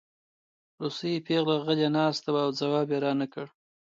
روسۍ پېغله غلې ناسته وه او ځواب یې رانکړ